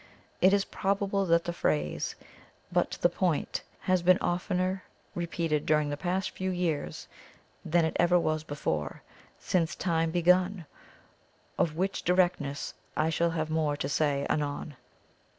It is probable that the phrase, "but to the point," has been oftener repeated during the past few years, than it ever was before, since Time begun, of which directness I shall have more to say anon.